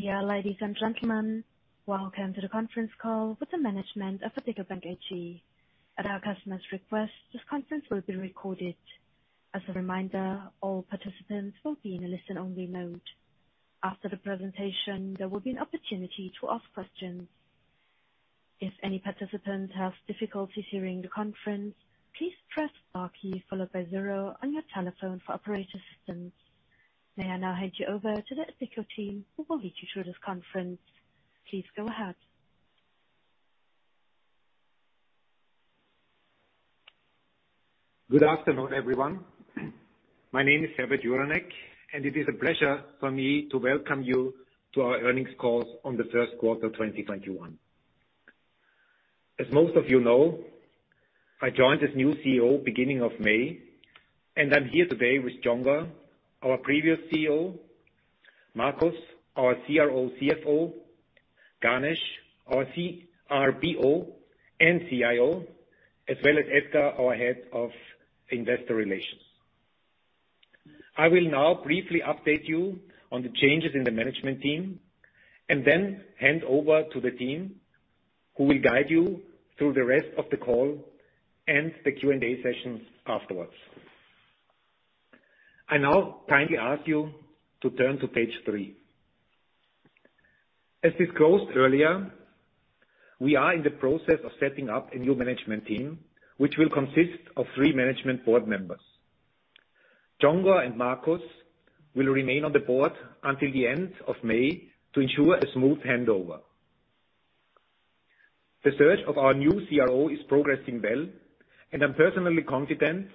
Dear ladies and gentlemen, welcome to the conference call with the management of Addiko Bank AG. At our customer's request, this conference will be recorded. As a reminder, all participants will be in a listen-only mode. After the presentation, there will be an opportunity to ask questions. If any participant has difficulties hearing the conference, please press star key followed by zero on your telephone for operator assistance. May I now hand you over to the Addiko team who will lead you through this conference. Please go ahead. Good afternoon, everyone. My name is Herbert Juranek, and it is a pleasure for me to welcome you to our earnings calls on the first quarter 2021. As most of you know, I joined as new CEO beginning of May, and I'm here today with Csongor, our previous CEO, Markus, our CRO, CFO, Ganesh, our CRBO and CIO, as well as Edgar, our Head of Investor Relations. I will now briefly update you on the changes in the management team and then hand over to the team who will guide you through the rest of the call and the Q&A sessions afterwards. I now kindly ask you to turn to page three. As disclosed earlier, we are in the process of setting up a new management team, which will consist of three management board members. Csongor and Markus will remain on the board until the end of May to ensure a smooth handover. The search of our new CRO is progressing well, and I'm personally confident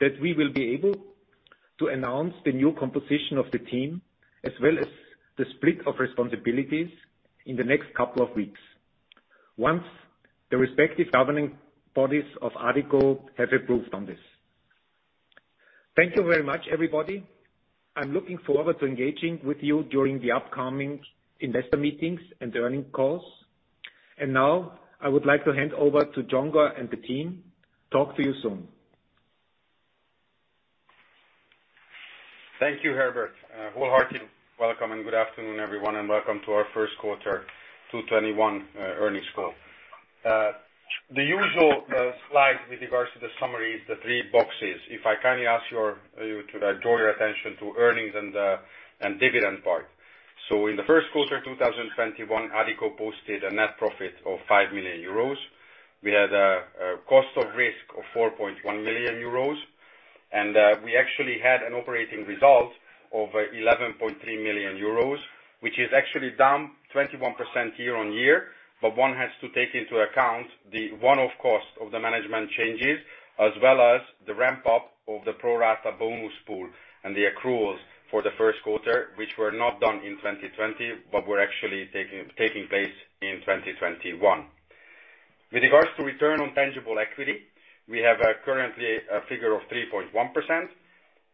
that we will be able to announce the new composition of the team, as well as the split of responsibilities in the next couple of weeks, once the respective governing bodies of Addiko have approved on this. Thank you very much, everybody. I'm looking forward to engaging with you during the upcoming investor meetings and earning calls. Now I would like to hand over to Csongor and the team. Talk to you soon. Thank you, Herbert. Wholeheartedly welcome and good afternoon, everyone, and welcome to our first quarter 2021 earnings call. The usual slide with regards to the summary is the three boxes. If I kindly ask you to draw your attention to earnings and dividend part. In the first quarter 2021, Addiko posted a net profit of 5 million euros. We had a cost of risk of 4.1 million euros and we actually had an operating result of 11.3 million euros, which is actually down 21% year-on-year, but one has to take into account the one-off cost of the management changes as well as the ramp-up of the pro rata bonus pool and the accruals for the first quarter, which were not done in 2020, but were actually taking place in 2021. With regards to return on tangible equity, we have currently a figure of 3.1%,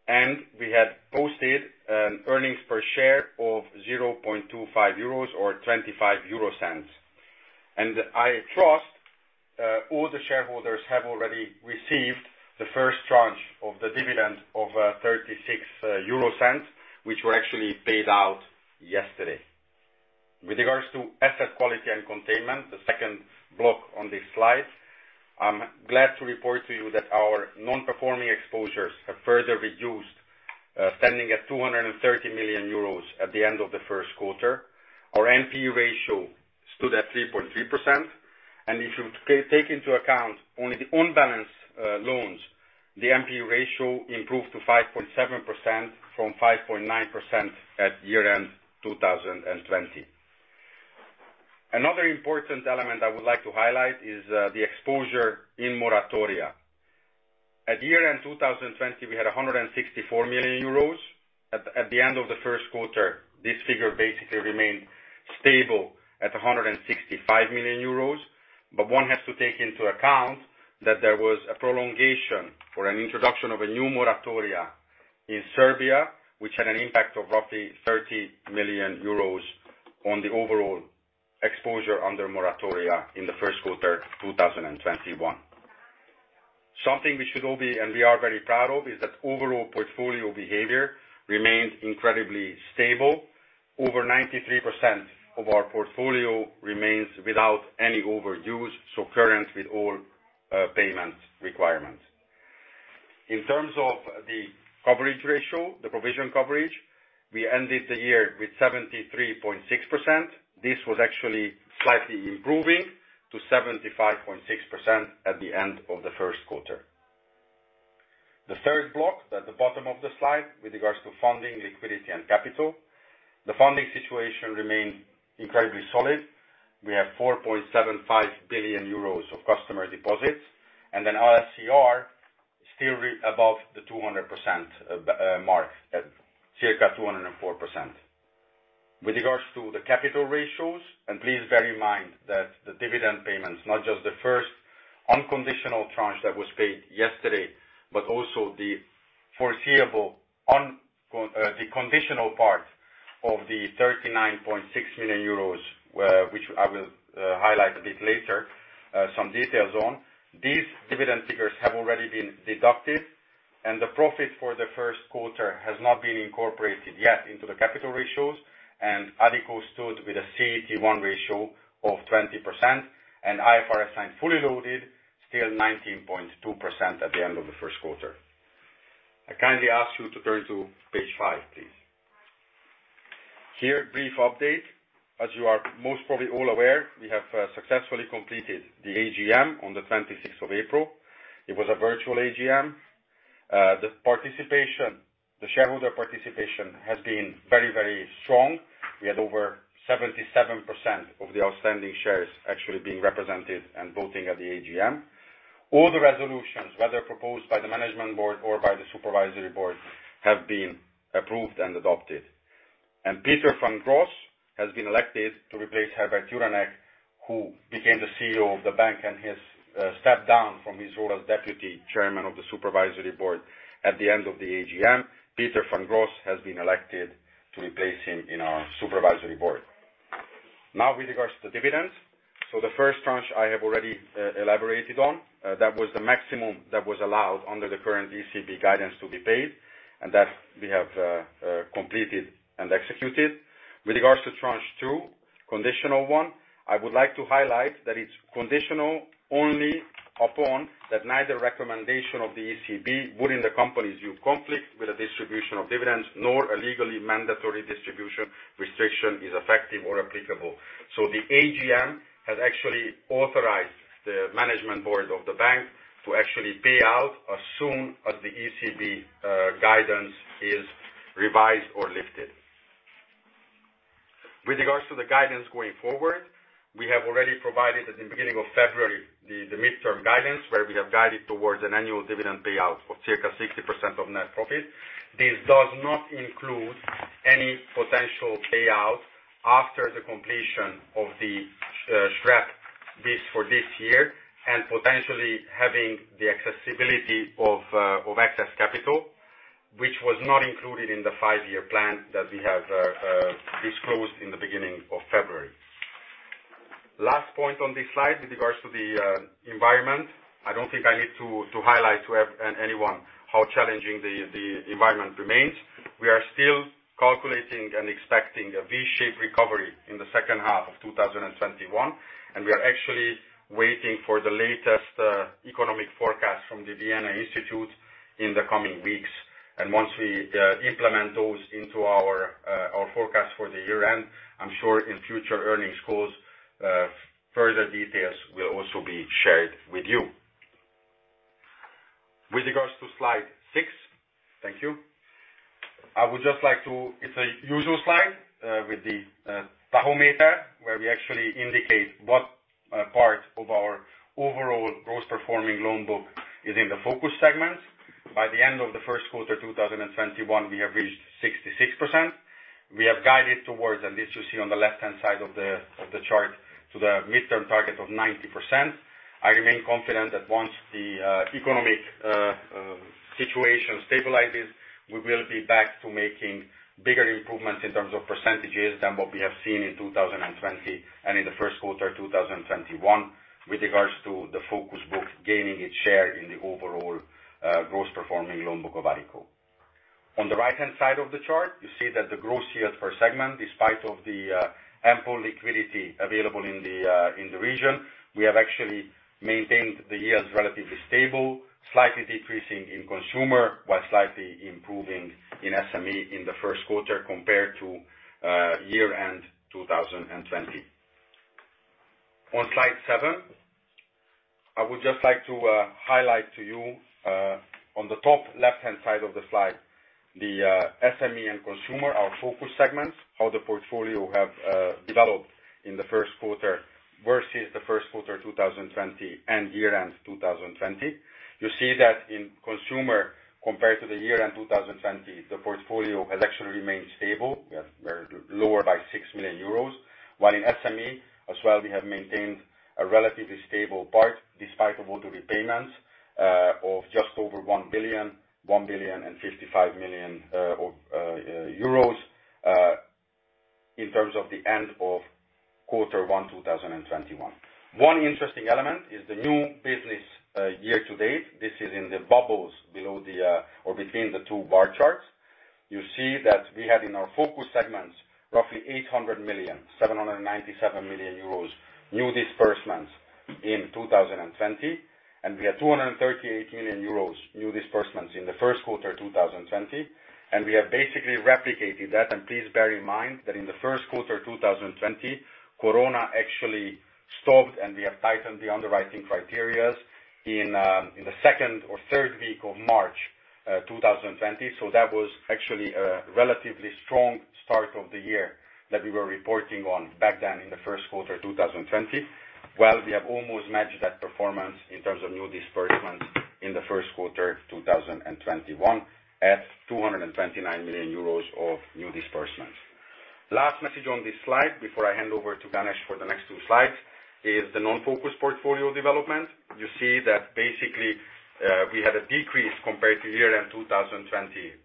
and we had posted earnings per share of 0.25 euros or 0.25. I trust all the shareholders have already received the first tranche of the dividend of 0.36, which were actually paid out yesterday. With regards to asset quality and containment, the second block on this slide, I'm glad to report to you that our non-performing exposures have further reduced, standing at 230 million euros at the end of the first quarter. Our NPE ratio stood at 3.3%, and if you take into account only the on-balance loans, the NPE ratio improved to 5.7% from 5.9% at year-end 2020. Another important element I would like to highlight is the exposure in moratoria. At year-end 2020, we had 164 million euros. At the end of the first quarter, this figure basically remained stable at 165 million euros. One has to take into account that there was a prolongation or an introduction of a new moratoria in Serbia, which had an impact of roughly 30 million euros on the overall exposure under moratoria in the first quarter of 2021. Something we should all be, and we are very proud of, is that overall portfolio behavior remains incredibly stable. Over 93% of our portfolio remains without any overuse, so current with all payment requirements. In terms of the coverage ratio, the provision coverage, we ended the year with 73.6%. This was actually slightly improving to 75.6% at the end of the first quarter. The third block at the bottom of the slide with regards to funding, liquidity, and capital. The funding situation remained incredibly solid. We have 4.75 billion euros of customer deposits, and then LCR still above the 200% mark at circa 204%. With regards to the capital ratios, and please bear in mind that the dividend payments, not just the first unconditional tranche that was paid yesterday, but also the conditional part of the 39.6 million euros, which I will highlight a bit later, some details on. These dividend figures have already been deducted. The profit for the first quarter has not been incorporated yet into the capital ratios, Addiko stood with a CET1 ratio of 20%, and IFRS 9 fully loaded, still 19.2% at the end of the first quarter. I kindly ask you to turn to page five, please. Here, a brief update. As you are most probably all aware, we have successfully completed the AGM on the 26th of April. It was a virtual AGM. The shareholder participation has been very strong. We had over 77% of the outstanding shares actually being represented and voting at the AGM. All the resolutions, whether proposed by the management board or by the supervisory board, have been approved and adopted. Peter van der Grosse has been elected to replace Herbert Juranek, who became the CEO of the bank and has stepped down from his role as Deputy Chairman of the Supervisory Board at the end of the AGM. Peter van der Grosse has been elected to replace him in our supervisory board. With regards to dividends. The first tranche I have already elaborated on. That was the maximum that was allowed under the current ECB guidance to be paid, and that we have completed and executed. With regards to tranche two, conditional one, I would like to highlight that it's conditional only upon that neither recommendation of the ECB would, in the company's view, conflict with the distribution of dividends, nor a legally mandatory distribution restriction is effective or applicable. The AGM has actually authorized the management board of the bank to actually pay out as soon as the ECB guidance is revised or lifted. With regards to the guidance going forward, we have already provided at the beginning of February, the midterm guidance, where we have guided towards an annual dividend payout of circa 60% of net profit. This does not include any potential payout after the completion of the SREP bid for this year, and potentially having the accessibility of excess capital, which was not included in the five-year plan that we have disclosed in the beginning of February. Last point on this slide with regards to the environment. I don't think I need to highlight to anyone how challenging the environment remains. We are still calculating and expecting a V-shaped recovery in the second half of 2021, we are actually waiting for the latest economic forecast from the Vienna Institute in the coming weeks. Once we implement those into our forecast for the year-end, I'm sure in future earnings calls, further details will also be shared with you. With regards to slide six. Thank you. It's a usual slide, with the tachometer, where we actually indicate what part of our overall gross performing loan book is in the focus segments. By the end of the first quarter 2021, we have reached 66%. We have guided towards, and this you see on the left-hand side of the chart, to the midterm target of 90%. I remain confident that once the economic situation stabilizes, we will be back to making bigger improvements in terms of percentages than what we have seen in 2020 and in the first quarter 2021, with regards to the focus book gaining its share in the overall gross performing loan book of Addiko. On the right-hand side of the chart, you see that the gross yield per segment, despite of the ample liquidity available in the region, we have actually maintained the yields relatively stable, slightly decreasing in consumer, while slightly improving in SME in the first quarter compared to year-end 2020. On slide seven, I would just like to highlight to you, on the top left-hand side of the slide, the SME and consumer, our focus segments, how the portfolio have developed in the first quarter versus the first quarter 2020 and year-end 2020. You see that in consumer, compared to the year-end 2020, the portfolio has actually remained stable. We are lower by 6 million euros. While in SME, as well, we have maintained a relatively stable part despite of all the repayments of just over 1,055 million, in terms of the end of quarter one 2021. One interesting element is the new business year to date. This is in the bubbles between the two bar charts. You see that we had in our focus segments, roughly 800 million, 797 million euros, new disbursements in 2020. We had 238 million euros new disbursements in the first quarter 2020. We have basically replicated that, and please bear in mind that in the first quarter 2020, Corona actually stopped and we have tightened the underwriting criteria in the second or third week of March 2020. That was actually a relatively strong start of the year that we were reporting on back then in the first quarter 2020. We have almost matched that performance in terms of new disbursements in the first quarter 2021 at 229 million euros of new disbursements. Last message on this slide before I hand over to Ganesh for the next two slides, is the non-focus portfolio development. You see that basically, we had a decrease compared to year-end 2020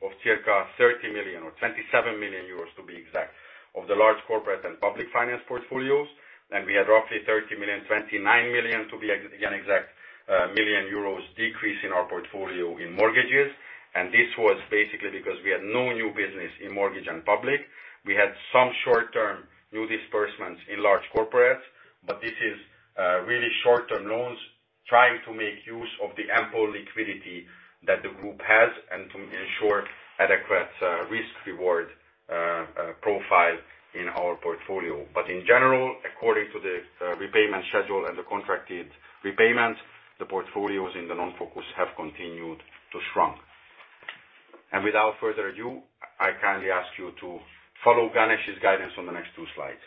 of circa 30 million, or 27 million euros to be exact. Of the large corporate and public finance portfolios, we had roughly 30 million, 29 million to be an exact million EUR decrease in our portfolio in mortgages. This was basically because we had no new business in mortgage and public. We had some short-term new disbursements in large corporates, this is really short-term loans trying to make use of the ample liquidity that the group has and to ensure adequate risk-reward profile in our portfolio. In general, according to the repayment schedule and the contracted repayments, the portfolios in the non-focus have continued to shrink. Without further ado, I kindly ask you to follow Ganesh's guidance on the next two slides.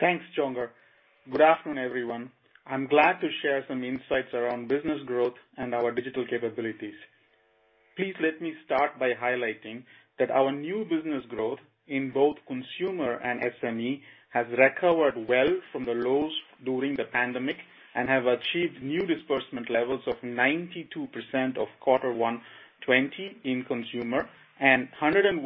Thanks, Csongor. Good afternoon, everyone. I'm glad to share some insights around business growth and our digital capabilities. Please let me start by highlighting that our new business growth in both consumer and SME has recovered well from the lows during the pandemic, and have achieved new disbursement levels of 92% of Q1 2020 in consumer, and 101%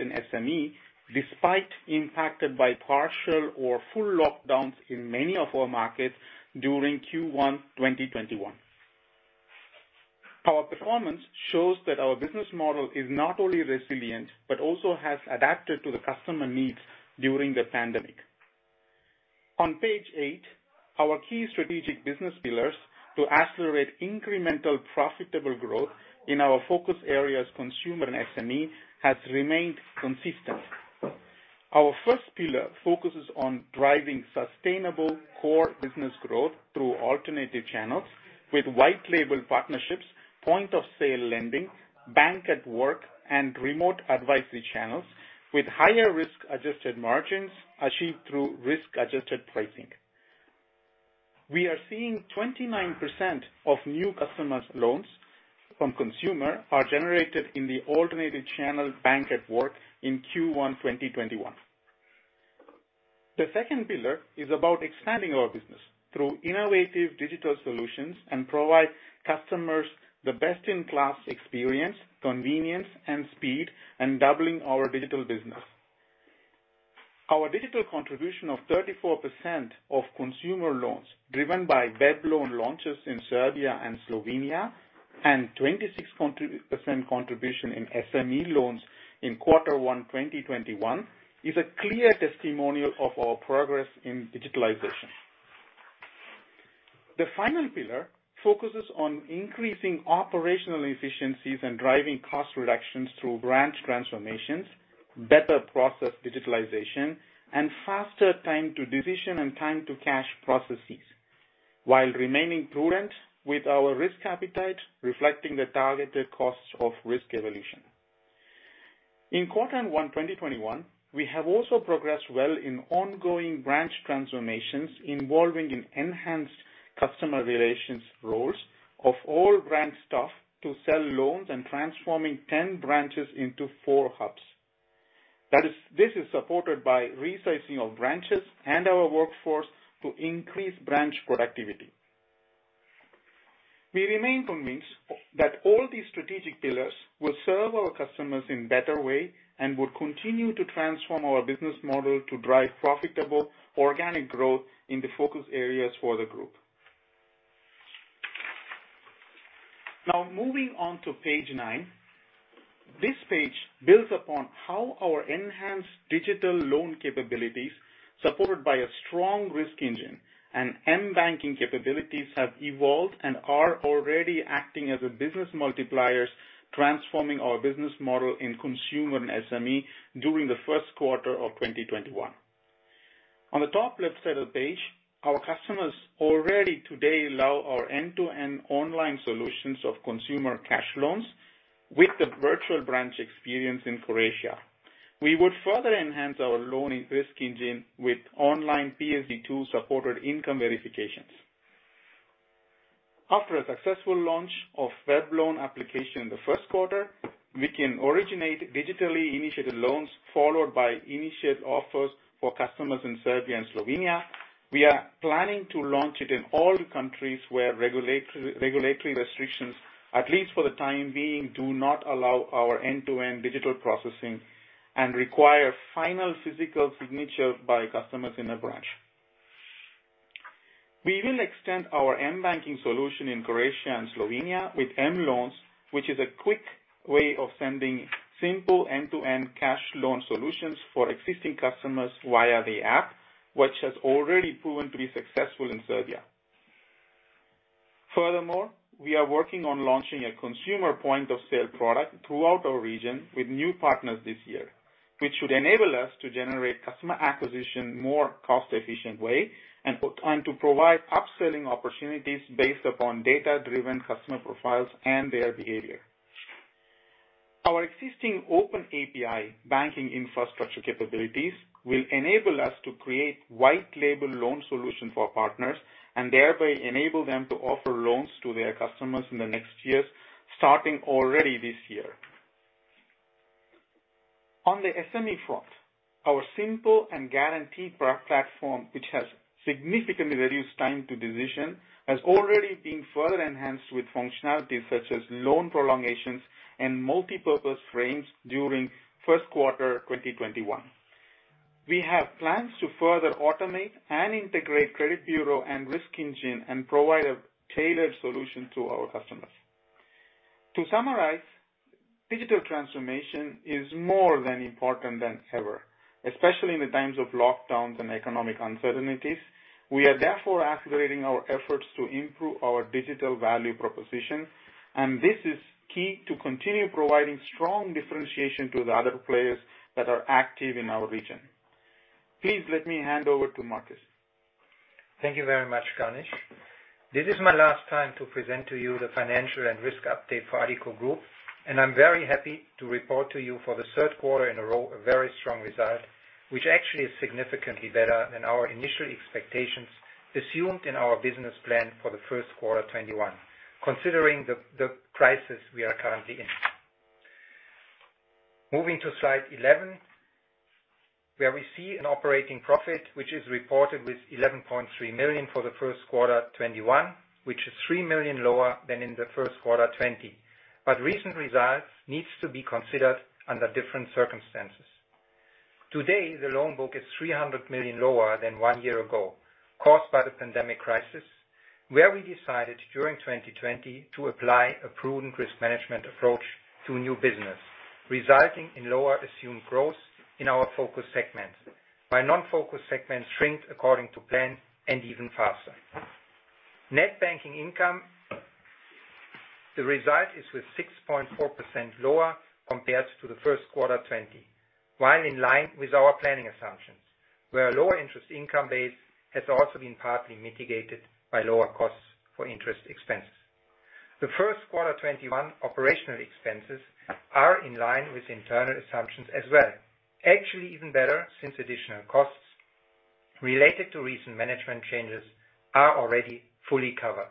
in SME, despite impacted by partial or full lockdowns in many of our markets during Q1 2021. Our performance shows that our business model is not only resilient, but also has adapted to the customer needs during the pandemic. On page eight, our key strategic business pillars to accelerate incremental profitable growth in our focus areas, consumer and SME, has remained consistent. Our first pillar focuses on driving sustainable core business growth through alternative channels with white label partnerships, point of sale lending, Bank@Work, and remote advisory channels, with higher risk-adjusted margins achieved through risk-adjusted pricing. We are seeing 29% of new customers' loans from consumer are generated in the alternative channel Bank@Work in Q1 2021. The second pillar is about expanding our business through innovative digital solutions and provide customers the best-in-class experience, convenience, and speed, and doubling our digital business. Our digital contribution of 34% of consumer loans, driven by Web loan launches in Serbia and Slovenia, and 26% contribution in SME loans in Q1 2021, is a clear testimonial of our progress in digitalization. The final pillar focuses on increasing operational efficiencies and driving cost reductions through branch transformations, better process digitalization, and faster time to decision and time to cash processes, while remaining prudent with our risk appetite, reflecting the targeted costs of risk evolution. In quarter one 2021, we have also progressed well in ongoing branch transformations involving an enhanced customer relations roles of all branch staff to sell loans and transforming 10 branches into four hubs. This is supported by resizing of branches and our workforce to increase branch productivity. We remain convinced that all these strategic pillars will serve our customers in better way and will continue to transform our business model to drive profitable organic growth in the focus areas for the group. Moving on to page nine. This page builds upon how our enhanced digital loan capabilities, supported by a strong risk engine and mBanking capabilities, have evolved and are already acting as a business multipliers, transforming our business model in consumer and SME during the first quarter of 2021. On the top left side of page, our customers already today allow our end-to-end online solutions of consumer cash loans with the virtual branch experience in Croatia. We would further enhance our loan risk engine with online PSD2 supported income verifications. After a successful launch of web loan application in the first quarter, we can originate digitally initiated loans followed by initiate offers for customers in Serbia and Slovenia. We are planning to launch it in all countries where regulatory restrictions, at least for the time being, do not allow our end-to-end digital processing and require final physical signature by customers in a branch. We will extend our mBanking solution in Croatia and Slovenia with mLoans, which is a quick way of sending simple end-to-end cash loan solutions for existing customers via the app, which has already proven to be successful in Serbia. Furthermore, we are working on launching a consumer point of sale product throughout our region with new partners this year, which would enable us to generate customer acquisition more cost-efficient way and to provide upselling opportunities based upon data-driven customer profiles and their behavior. Our existing open API banking infrastructure capabilities will enable us to create white label loan solution for partners, and thereby enable them to offer loans to their customers in the next years, starting already this year. On the SME front, our simple and guaranteed platform, which has significantly reduced time to decision, has already been further enhanced with functionalities such as loan prolongations and multipurpose frames during first quarter 2021. We have plans to further automate and integrate credit bureau and risk engine and provide a tailored solution to our customers. To summarize, digital transformation is more than important than ever, especially in the times of lockdowns and economic uncertainties. We are therefore accelerating our efforts to improve our digital value proposition, and this is key to continue providing strong differentiation to the other players that are active in our region. Please let me hand over to Markus. Thank you very much, Ganesh. This is my last time to present to you the financial and risk update for Addiko Group, and I'm very happy to report to you for the third quarter in a row, a very strong result, which actually is significantly better than our initial expectations assumed in our business plan for the first quarter 2021, considering the crisis we are currently in. Moving to slide 11, where we see an operating profit, which is reported with 11.3 million for the first quarter 2021, which is 3 million lower than in the first quarter 2020. Recent results needs to be considered under different circumstances. Today, the loan book is 300 million lower than one year ago, caused by the pandemic crisis, where we decided during 2020 to apply a prudent risk management approach to new business, resulting in lower assumed growth in our focus segments. By non-focus segments, shrink according to plan and even faster. Net banking income, the result is with 6.4% lower compared to the first quarter 2020, while in line with our planning assumptions, where a lower interest income base has also been partly mitigated by lower costs for interest expenses. The first quarter 2021 operational expenses are in line with internal assumptions as well. Actually, even better, since additional costs related to recent management changes are already fully covered.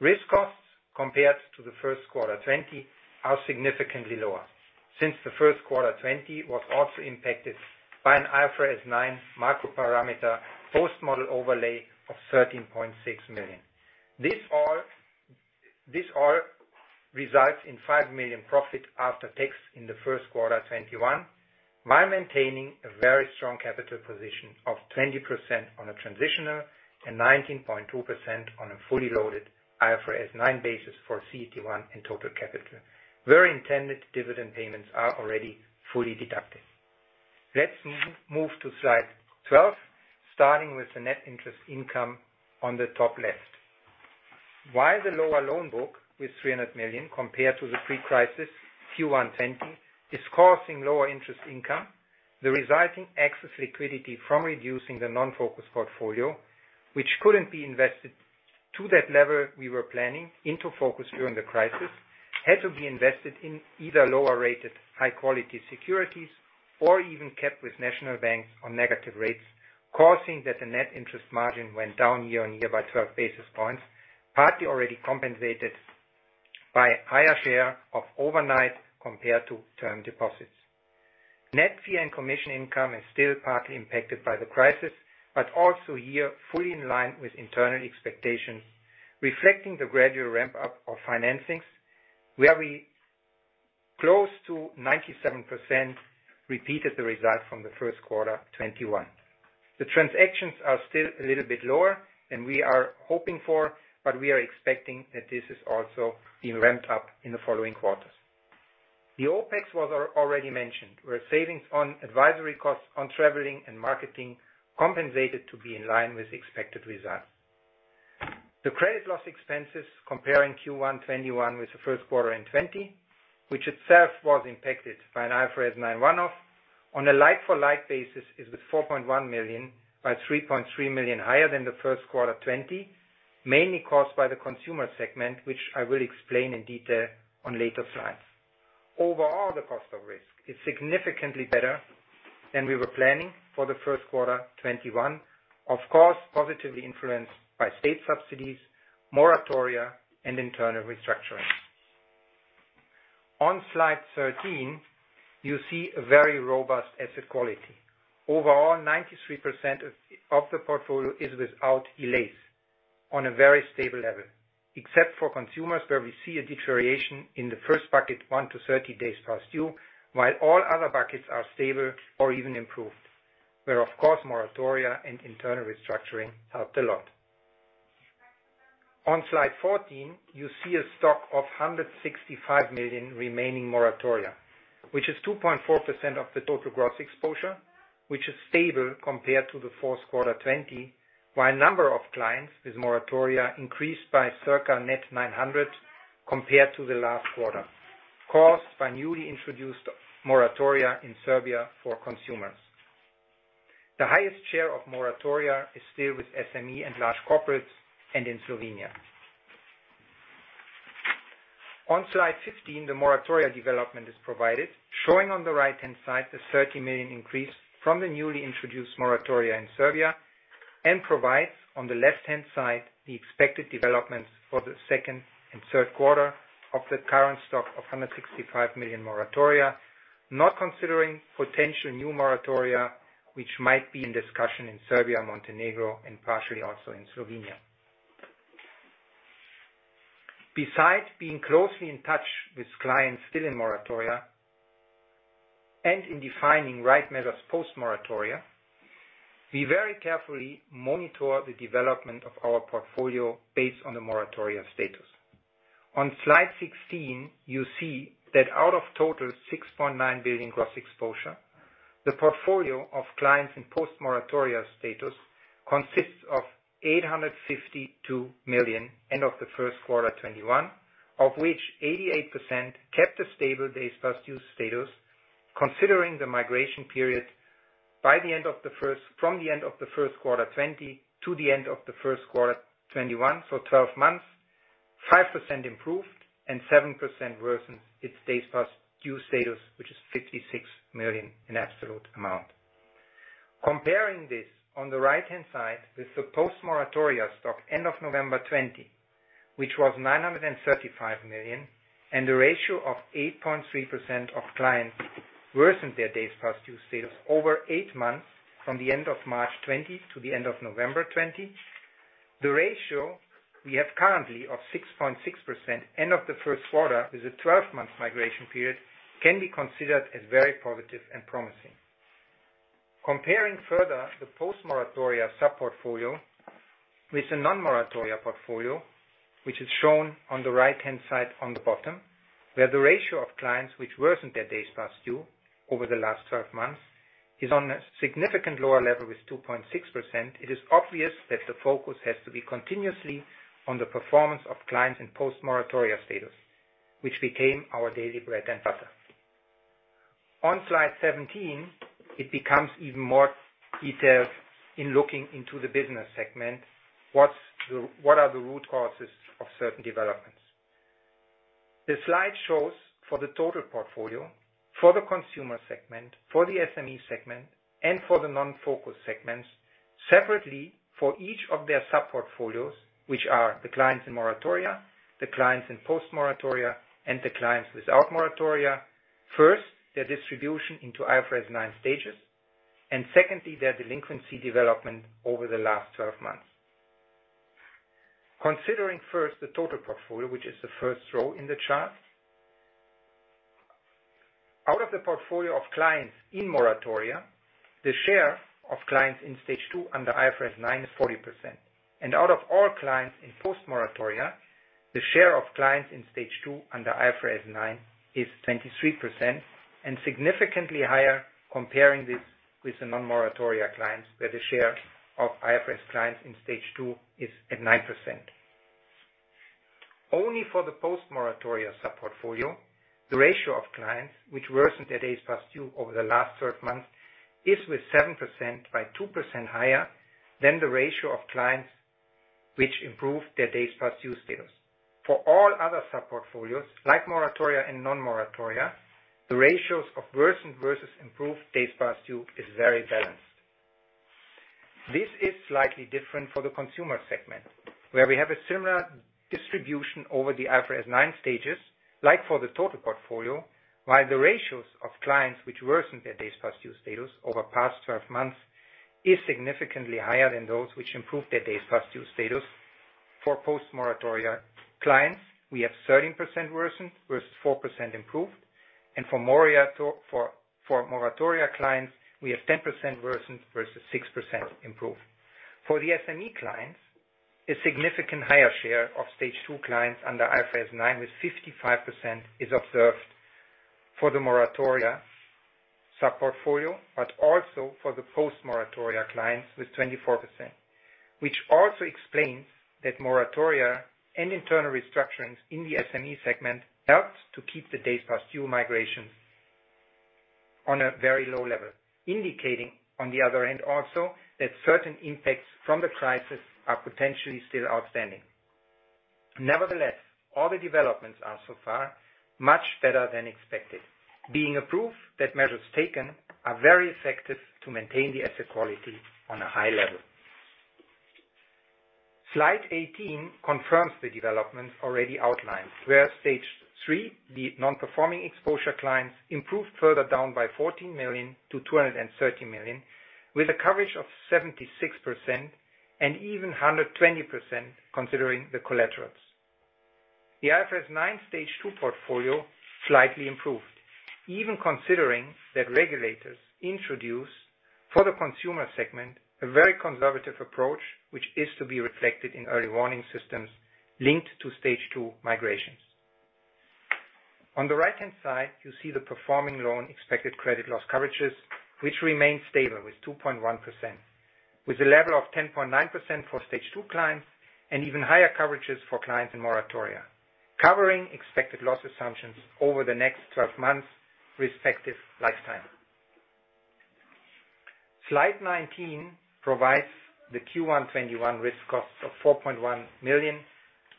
Risk costs compared to the first quarter 2020 are significantly lower, since the first quarter 2020 was also impacted by an IFRS 9 macro parameter post-model overlay of 13.6 million. This all results in 5 million profit after tax in the first quarter 2021, while maintaining a very strong capital position of 20% on a transitional and 19.2% on a fully loaded IFRS 9 basis for CET1 and total capital, where intended dividend payments are already fully deducted. Let's move to slide 12, starting with the net interest income on the top left. While the lower loan book with 300 million compared to the pre-crisis Q1 2020 is causing lower interest income, the resulting excess liquidity from reducing the non-focus portfolio, which couldn't be invested to that level we were planning into focus during the crisis, had to be invested in either lower-rated, high-quality securities or even kept with national banks on negative rates, causing that the net interest margin went down year on year by 12 basis points, partly already compensated by higher share of overnight compared to term deposits. Net fee and commission income is still partly impacted by the crisis, but also here, fully in line with internal expectations, reflecting the gradual ramp-up of financings, where we, close to 97%, repeated the result from the first quarter 2021. The transactions are still a little bit lower than we are hoping for, but we are expecting that this is also being ramped up in the following quarters. The OPEX was already mentioned, where savings on advisory costs on traveling and marketing compensated to be in line with expected results. The credit loss expenses comparing Q1 2021 with the first quarter in 2020, which itself was impacted by an IFRS 9 one-off, on a like-for-like basis, is with 4.1 million by 3.3 million higher than the first quarter 2020, mainly caused by the consumer segment, which I will explain in detail on later slides. Overall, the cost of risk is significantly better than we were planning for the first quarter 2021, of course, positively influenced by state subsidies, moratoria, and internal restructuring. On slide 13, you see a very robust asset quality. Overall, 93% of the portfolio is without delays on a very stable level. Except for consumers, where we see a deterioration in the first bucket, 1-30 days past due, while all other buckets are stable or even improved, where, of course, moratoria and internal restructuring helped a lot. On slide 14, you see a stock of 165 million remaining moratoria, which is 2.4% of the total gross exposure, which is stable compared to the fourth quarter 2020. While number of clients with moratoria increased by circa net 900 compared to the last quarter, caused by newly introduced moratoria in Serbia for consumers. The highest share of moratoria is still with SME and large corporates, and in Slovenia. On slide 15, the moratoria development is provided, showing on the right-hand side the 30 million increase from the newly introduced moratoria in Serbia, and provides on the left-hand side the expected developments for the second and third quarter of the current stock of 165 million moratoria, not considering potential new moratoria, which might be in discussion in Serbia, Montenegro, and partially also in Slovenia. Besides being closely in touch with clients still in moratoria, and in defining right measures post-moratoria, we very carefully monitor the development of our portfolio based on the moratoria status. On slide 16, you see that out of total 6.9 billion gross exposure, the portfolio of clients in post-moratoria status consists of 852 million end of the first quarter 2021, of which 88% kept a stable days past due status, considering the migration period from the end of the first quarter 2020 to the end of the first quarter 2021. For 12 months, 5% improved and 7% worsened its days past due status, which is 56 million in absolute amount. Comparing this on the right-hand side with the post-moratoria stock end of November 2020, which was 935 million, and the ratio of 8.3% of clients worsened their days past due status over eight months from the end of March 2020 to the end of November 2020. The ratio we have currently of 6.6% end of the first quarter with a 12-month migration period can be considered as very positive and promising. Comparing further the post-moratoria sub-portfolio with the non-moratoria portfolio, which is shown on the right-hand side on the bottom, where the ratio of clients which worsened their days past due over the last 12 months is on a significant lower level with 2.6%. It is obvious that the focus has to be continuously on the performance of clients in post-moratoria status, which became our daily bread and butter. On slide 17, it becomes even more detailed in looking into the business segment. What are the root causes of certain developments? The slide shows for the total portfolio, for the consumer segment, for the SME segment, and for the non-focus segments, separately for each of their sub-portfolios, which are the clients in moratoria, the clients in post-moratoria, and the clients without moratoria. First, their distribution into IFRS 9 stages, secondly, their delinquency development over the last 12 months. Considering first the total portfolio, which is the first row in the chart. Out of the portfolio of clients in moratoria, the share of clients in stage two under IFRS 9 is 40%. Out of all clients in post-moratoria, the share of clients in stage two under IFRS 9 is 23%, significantly higher comparing this with the non-moratoria clients, where the share of IFRS clients in stage two is at 9%. Only for the post-moratoria sub-portfolio, the ratio of clients which worsened their days past due over the last 12 months is with 7%, by 2% higher than the ratio of clients which improved their days past due status. For all other sub-portfolios, like moratoria and non-moratoria, the ratios of worsened versus improved days past due is very balanced. This is slightly different for the consumer segment, where we have a similar distribution over the IFRS 9 stages, like for the total portfolio, while the ratios of clients which worsened their days past due status over past 12 months is significantly higher than those which improved their days past due status. For post-moratoria clients, we have 13% worsened versus 4% improved, and for moratoria clients, we have 10% worsened versus 6% improved. For the SME clients, a significant higher share of stage two clients under IFRS 9, with 55%, is observed for the moratoria sub-portfolio, but also for the post-moratoria clients with 24%, which also explains that moratoria and internal restructurings in the SME segment helped to keep the days past due migrations on a very low level. Indicating on the other end also, that certain impacts from the crisis are potentially still outstanding. Nevertheless, all the developments are so far much better than expected. Being a proof that measures taken are very effective to maintain the asset quality on a high level. Slide 18 confirms the development already outlined, where stage three, the non-performing exposure clients, improved further down by 14 million to 230 million, with a coverage of 76% and even 120% considering the collaterals. The IFRS 9 stage portfolio slightly improved. Even considering that regulators introduced for the consumer segment a very conservative approach, which is to be reflected in early warning systems linked to stage 2 migrations. On the right-hand side, you see the performing loan expected credit loss coverages, which remain stable with 2.1%, with a level of 10.9% for stage 2 clients and even higher coverages for clients in moratoria. Covering expected loss assumptions over the next 12 months respective lifetime. Slide 19 provides the Q1 2021 risk costs of 4.1 million,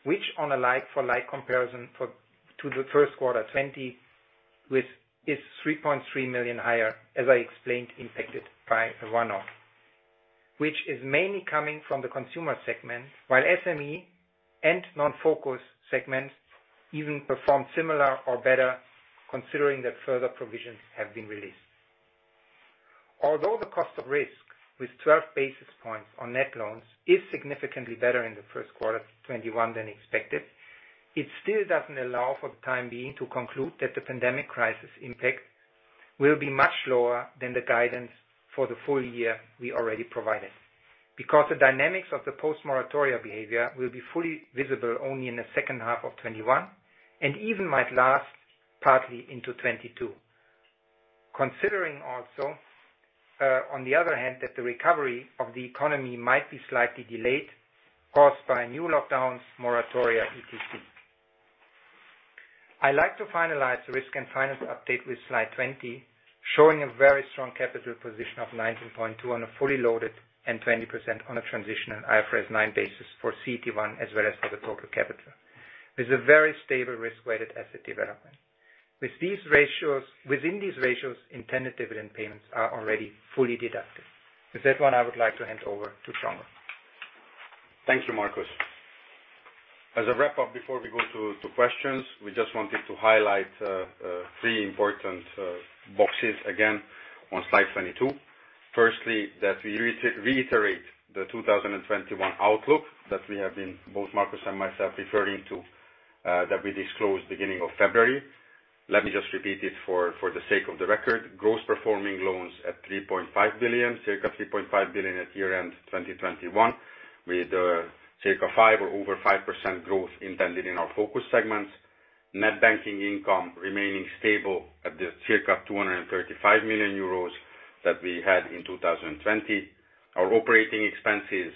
which on a like for like comparison to the first quarter 2020, which is 3.3 million higher, as I explained, impacted by a one-off, which is mainly coming from the consumer segment, while SME and non-focus segments even performed similar or better, considering that further provisions have been released. Although the cost of risk with 12 basis points on net loans is significantly better in the first quarter of 2021 than expected, it still doesn't allow, for the time being, to conclude that the pandemic crisis impact will be much lower than the guidance for the full year we already provided. Because the dynamics of the post-moratoria behavior will be fully visible only in the second half of 2021, and even might last partly into 2022. Considering also, on the other hand, that the recovery of the economy might be slightly delayed or by new lockdowns, moratoria, etc. I like to finalize the risk and finance update with slide 20, showing a very strong capital position of 19.2 on a fully loaded and 20% on a transitional IFRS 9 basis for CET1, as well as for the total capital. This is a very stable risk-weighted asset development. Within these ratios, intended dividend payments are already fully deducted. With that one, I would like to hand over to Csongor Németh. Thank you, Markus. As a wrap-up before we go to questions, we just wanted to highlight three important boxes again on slide 22. Firstly, that we reiterate the 2021 outlook that we have been, both Markus and myself, referring to, that we disclosed beginning of February. Let me just repeat it for the sake of the record. Gross performing loans at 3.5 billion, circa 3.5 billion at year-end 2021, with circa five or over 5% growth intended in our focus segments. Net banking income remaining stable at the circa 235 million euros that we had in 2020. Our operating expenses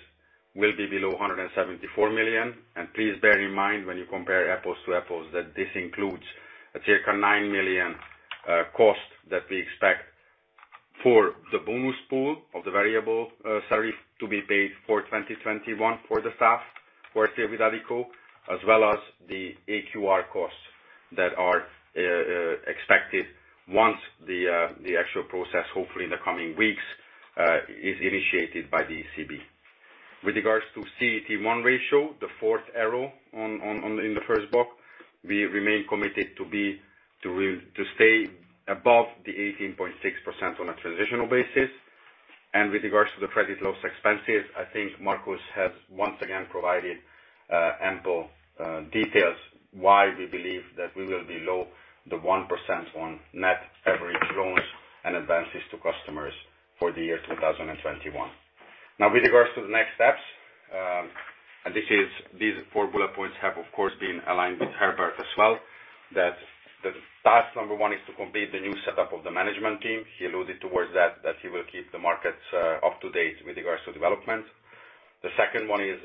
will be below 174 million. Please bear in mind when you compare apples to apples, that this includes a circa 9 million cost that we expect for the bonus pool of the variable salary to be paid for 2021 for the staff who work here with Addiko, as well as the AQR costs that are expected once the actual process, hopefully in the coming weeks, is initiated by the ECB. With regards to CET1 ratio, the fourth arrow in the first box, we remain committed to stay above the 18.6% on a transitional basis. With regards to the credit loss expenses, I think Markus has once again provided ample details why we believe that we will be low the 1% on net average loans and advances to customers for the year 2021. Now, with regards to the next steps, these four bullet points have, of course, been aligned with Herbert as well, that the task number 1 is to complete the new setup of the management team. He alluded towards that he will keep the markets up to date with regards to development. The second one is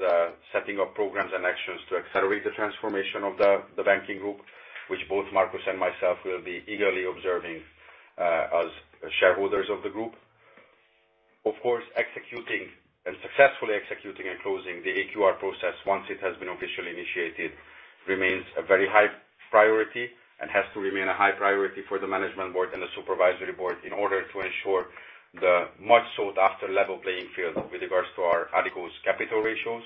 setting up programs and actions to accelerate the transformation of the banking group, which both Markus and myself will be eagerly observing as shareholders of the group. Of course, executing and successfully executing and closing the AQR process once it has been officially initiated, remains a very high priority and has to remain a high priority for the management board and the supervisory board in order to ensure the much sought-after level playing field with regards to our Addiko's capital ratios.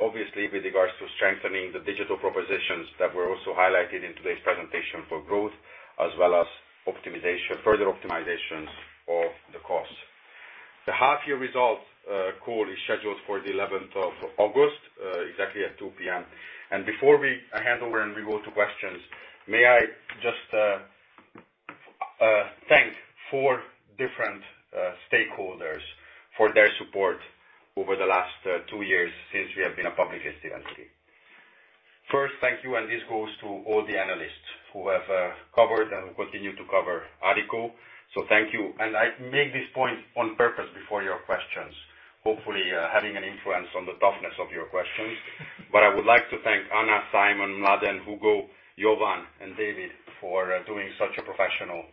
Obviously, with regards to strengthening the digital propositions that were also highlighted in today's presentation for growth, as well as further optimizations of the costs. The half-year results call is scheduled for the 11th of August, exactly at 2:00 P.M. Before I hand over and we go to questions, may I just thank four different stakeholders for their support over the last two years since we have been a public entity. First, thank you, and this goes to all the analysts who have covered and will continue to cover Addiko. Thank you. I make this point on purpose before your questions, hopefully, having an influence on the toughness of your questions. I would like to thank Ana Marshall, Simon Nellis, Mladen Dodig, Hugo, Jovan Sikimić, and David for doing such a professional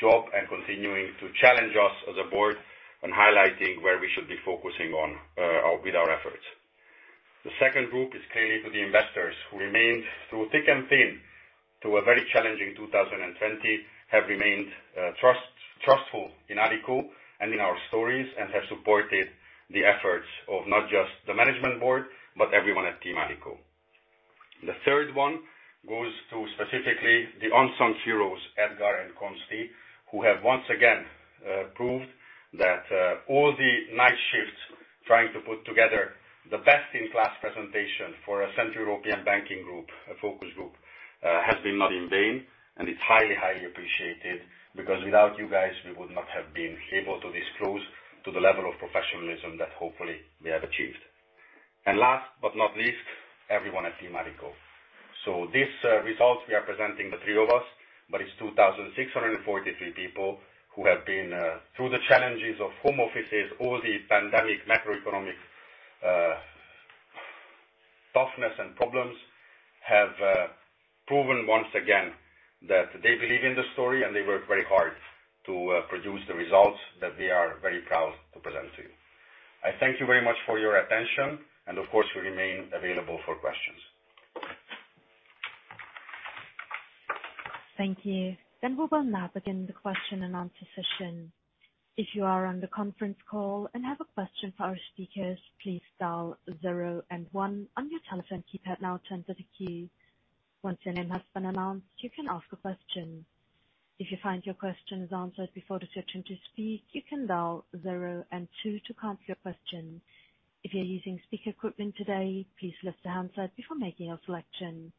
job and continuing to challenge us as a board and highlighting where we should be focusing on with our efforts. The second group is clearly to the investors who remained through thick and thin, through a very challenging 2020, have remained trustful in Addiko Bank and in our stories, and have supported the efforts of not just the management board, but everyone at Team Addiko Bank. The third one goes to specifically the unsung heroes, Edgar and Consti, who have once again proved that all the night shifts trying to put together the best-in-class presentation for a Central European banking group, a focus group, has been not in vain, and it's highly appreciated, because without you guys, we would not have been able to disclose to the level of professionalism that hopefully we have achieved. Last but not least, everyone at Team Addiko. These results, we are presenting, the three of us, but it's 2,643 people who have been through the challenges of home offices, all the pandemic macroeconomic toughness and problems, have proven once again that they believe in the story and they work very hard to produce the results that we are very proud to present to you. I thank you very much for your attention, and of course, we remain available for questions. Thank you. We will now begin the question and answer session. If you are on the conference call an your have a question to our speakers please dial zero and one then one on your telephone keypad. Once you name has been announced to answer the question. If your question is answered before you speak you can press zero and two, If you are using speaker equipment please use the handset before asking your question.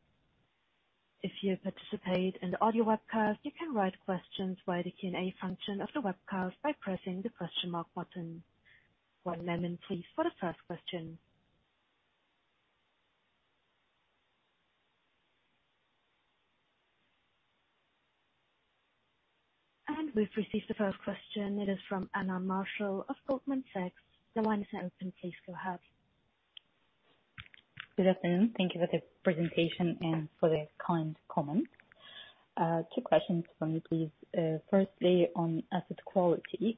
If you participate in the audio webcast, you can write questions via the Q&A function of the webcast by pressing the question mark button. One moment please for the first question. We've received the first question. It is from Anna Marshall of Goldman Sachs. The line is open. Please go ahead. Good afternoon. Thank you for the presentation and for the kind comments. Two questions from me, please. Firstly, on asset quality.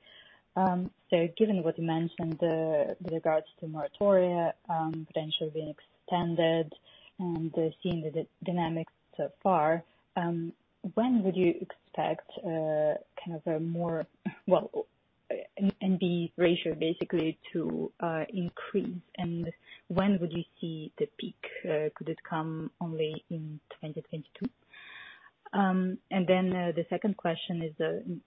Given what you mentioned with regards to moratoria potentially being extended and seeing the dynamics so far, when would you expect NPE ratio basically to increase? When would you see the peak? Could it come only in 2022? The second question is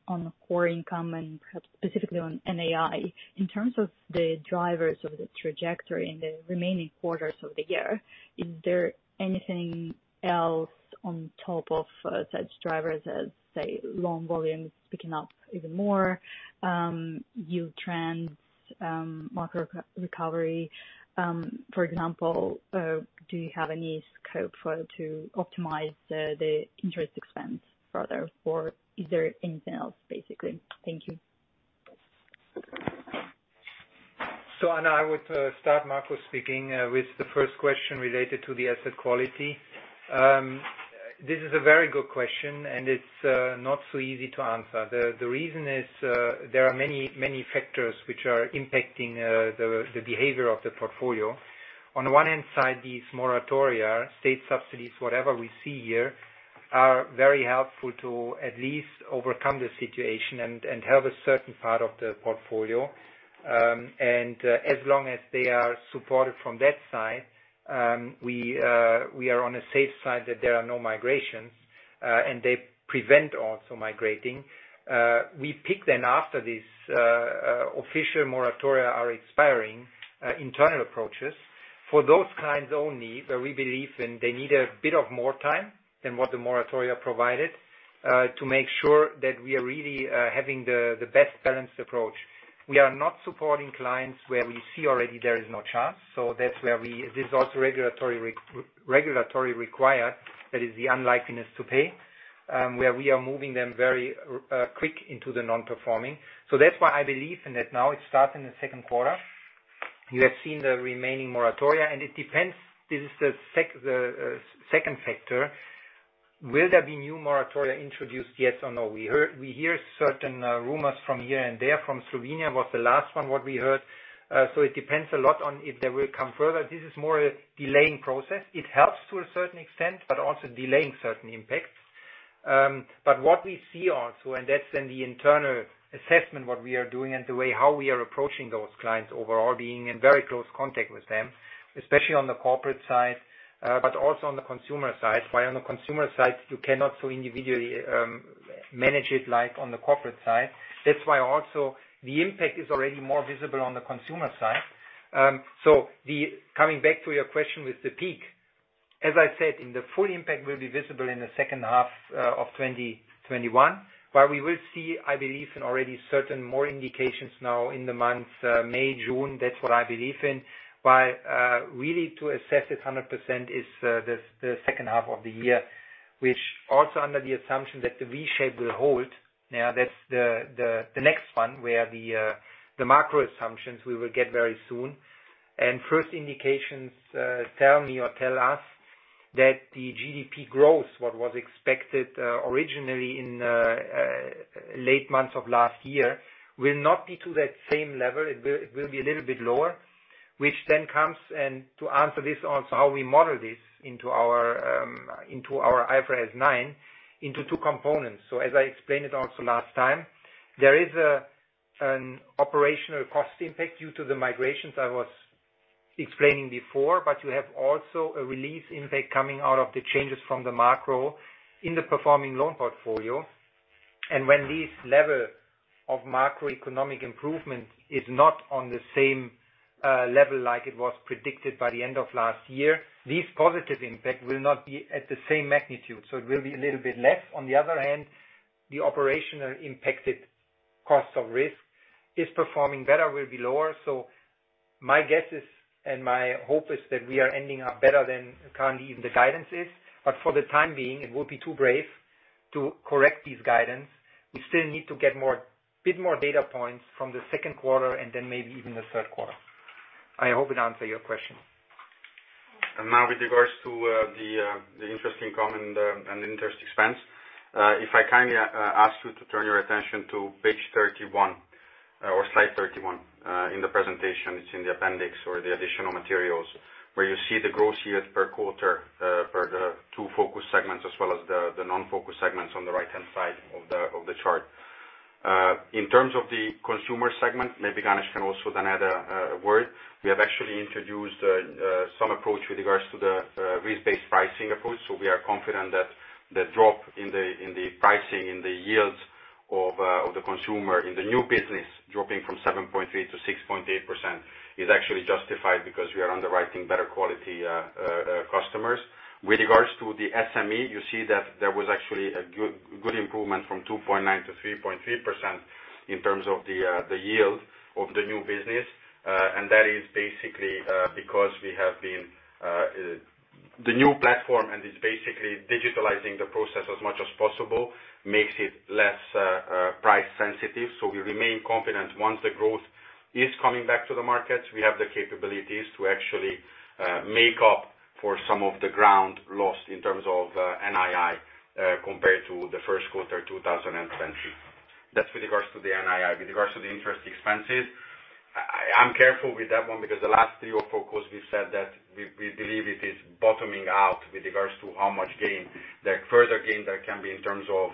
on the core income, and perhaps specifically on NII. In terms of the drivers of the trajectory in the remaining quarters of the year, is there anything else on top of such drivers as, say, loan volumes picking up even more, yield trends, macro recovery? For example, do you have any scope to optimize the interest expense further, or is there anything else, basically? Thank you. Anna, I would start, Markus speaking, with the first question related to the asset quality. This is a very good question, and it's not so easy to answer. The reason is there are many factors which are impacting the behavior of the portfolio. On one hand side, these moratoria, state subsidies, whatever we see here, are very helpful to at least overcome the situation and help a certain part of the portfolio. As long as they are supported from that side, we are on a safe side that there are no migrations, and they prevent also migrating. We pick then after these official moratoria are expiring internal approaches for those clients only where we believe they need a bit of more time than what the moratoria provided to make sure that we are really having the best balanced approach. We are not supporting clients where we see already there is no chance. That's where This is also regulatory required, that is the unlikelihood to pay, where we are moving them very quick into the non-performing. That's why I believe in that now it starts in the second quarter. You have seen the remaining moratoria, and it depends, this is the second factor. Will there be new moratoria introduced, yes or no? We hear certain rumors from here and there, from Slovenia was the last one what we heard. It depends a lot on if they will come further. This is more a delaying process. It helps to a certain extent, but also delaying certain impacts. What we see also, and that's in the internal assessment, what we are doing and the way how we are approaching those clients overall, being in very close contact with them, especially on the corporate side, but also on the consumer side. Why on the consumer side, you cannot so individually manage it like on the corporate side. That's why also the impact is already more visible on the consumer side. Coming back to your question with the peak, as I said, the full impact will be visible in the second half of 2021. We will see, I believe, in already certain more indications now in the months May, June. That's what I believe in. Really to assess it 100% is the second half of the year, which also under the assumption that the V shape will hold. That's the next one, where the macro assumptions we will get very soon. First indications tell me or tell us that the GDP growth, what was expected originally in late months of last year, will not be to that same level. It will be a little bit lower, which then comes, and to answer this also, how we model this into our IFRS 9 into two components. As I explained it also last time, there is an operational cost impact due to the migrations I was explaining before, but you have also a release impact coming out of the changes from the macro in the performing loan portfolio. When this level of macroeconomic improvement is not on the same level like it was predicted by the end of last year, this positive impact will not be at the same magnitude. It will be a little bit less. On the other hand, the operational impacted cost of risk is performing better, will be lower. My guess is, and my hope is that we are ending up better than currently even the guidance is. For the time being, it would be too brave to correct this guidance. We still need to get a bit more data points from the second quarter and then maybe even the third quarter. I hope it answer your question. Now with regards to the interest income and interest expense. If I kindly ask you to turn your attention to page 31 or slide 31 in the presentation, it's in the appendix or the additional materials where you see the gross yield per quarter for the two focus segments as well as the non-focus segments on the right-hand side of the chart. In terms of the consumer segment, maybe Ganesh can also then add a word. We have actually introduced some approach with regards to the risk-based pricing approach. We are confident that the drop in the pricing, in the yields of the consumer in the new business dropping from 7.3% to 6.8% is actually justified because we are underwriting better quality customers. With regards to the SME, you see that there was actually a good improvement from 2.9% to 3.3% in terms of the yield of the new business. That is basically because we have the new platform, and it's basically digitalizing the process as much as possible, makes it less price sensitive. We remain confident once the growth is coming back to the market, we have the capabilities to actually make up for some of the ground lost in terms of NII compared to the first quarter 2020. That's with regards to the NII. With regards to the interest expenses, I'm careful with that one because the last three or four quarters, we've said that we believe it is bottoming out with regards to how much further gain there can be in terms of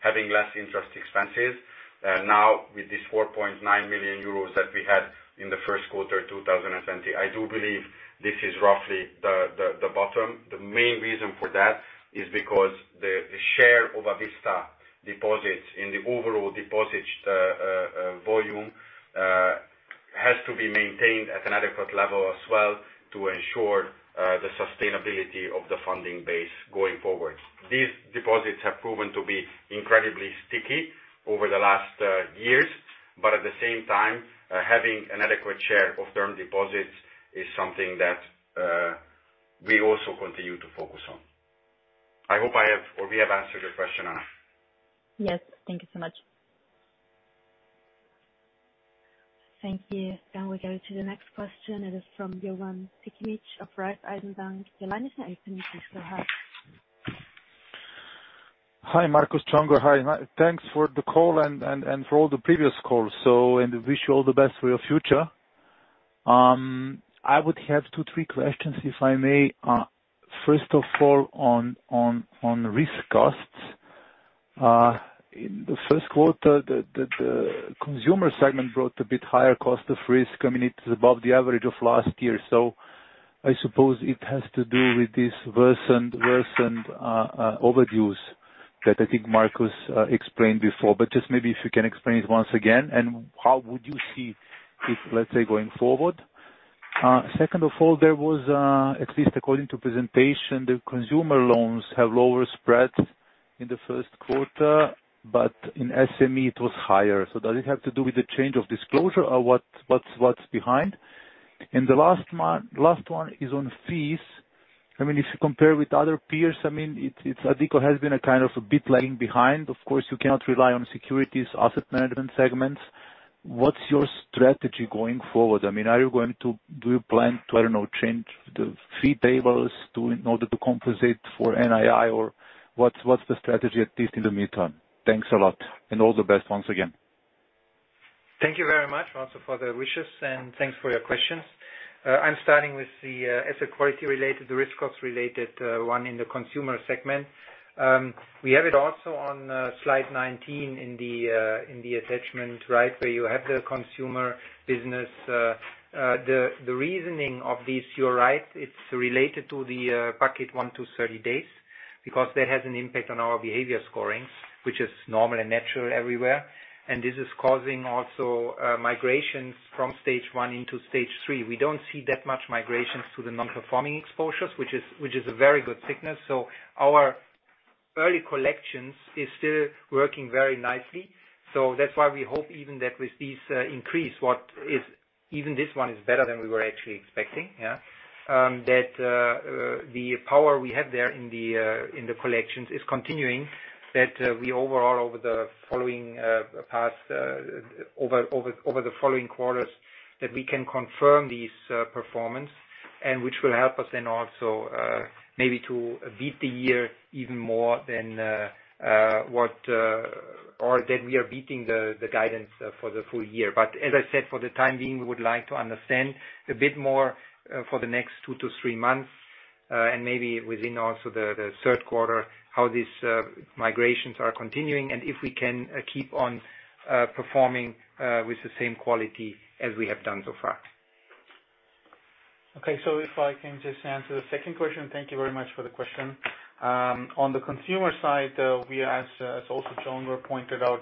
having less interest expenses. Now with this 4.9 million euros that we had in the first quarter 2020, I do believe this is roughly the bottom. The main reason for that is because the share of a vista deposits in the overall deposit volume has to be maintained at an adequate level as well to ensure the sustainability of the funding base going forward. These deposits have proven to be incredibly sticky over the last years, but at the same time, having an adequate share of term deposits is something that we also continue to focus on. I hope we have answered your question enough. Yes. Thank you so much. Thank you. Now we go to the next question. It is from Jovan Sikimić of Raiffeisen Bank. The line is now open. You can go ahead. Hi, Markus, Csongor. Thanks for the call and for all the previous calls. I wish you all the best for your future. I would have two, three questions, if I may. First of all, on risk costs. In the first quarter, the consumer segment brought a bit higher cost of risk. It is above the average of last year. I suppose it has to do with this worsened overviews that I think Markus explained before. Just maybe if you can explain it once again, how would you see it, let's say, going forward? Second of all, there was, at least according to presentation, the consumer loans have lower spreads in the first quarter, in SME it was higher. Does it have to do with the change of disclosure or what's behind? The last one is on fees. If you compare with other peers, Addiko has been a kind of a bit lagging behind. Of course, you cannot rely on securities asset management segments. What's your strategy going forward? Do you plan to, I don't know, change the fee tables in order to compensate for NII or what's the strategy, at least in the meantime? Thanks a lot, and all the best once again. Thank you very much also for the wishes, and thanks for your questions. I'm starting with the asset quality related, the risk cost related one in the consumer segment. We have it also on slide 19 in the attachment, where you have the consumer business. The reasoning of this, you're right, it's related to the bucket one to 30 days, because that has an impact on our behavior scoring, which is normal and natural everywhere. This is causing also migrations from stage one into stage three. We don't see that much migrations to the non-performing exposures, which is a very good signal. Our early collections is still working very nicely. That's why we hope even that with this increase, even this one is better than we were actually expecting. That the power we have there in the collections is continuing, that we overall over the following quarters, that we can confirm this performance and which will help us then also maybe to beat the year even more than, or that we are beating the guidance for the full year. As I said, for the time being, we would like to understand a bit more for the next two to three months, and maybe within also the third quarter, how these migrations are continuing, and if we can keep on performing with the same quality as we have done so far. If I can just answer the second question. Thank you very much for the question. On the consumer side, as also Csongor pointed out,